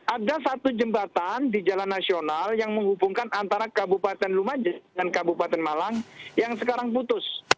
ada satu jembatan di jalan nasional yang menghubungkan antara kabupaten lumajang dan kabupaten malang yang sekarang putus